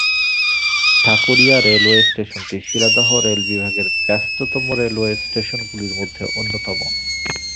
Dhakuria railway স্টেশনটি Sealdah rail বিভাগের ব্যস্ততম রেলওয়ে স্টেশনগুলির মধ্যে অন্যতম।